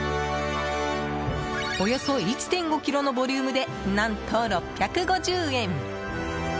およそ１．５ｋｇのボリュームで何と、６５０円。